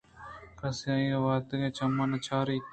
کس آئیءَ و تیگ ءِ چم ءَ نہ چاریت